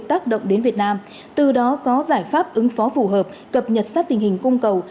tác động đến việt nam từ đó có giải pháp ứng phó phù hợp cập nhật sát tình hình cung cầu